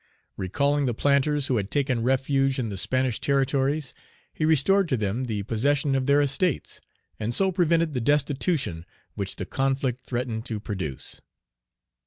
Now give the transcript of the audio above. Recalling the planters who had taken refuge in the Spanish territories, he restored to them the possession of their estates, and so prevented the destitution which the conflict threatened to produce.